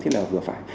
thế là vừa phải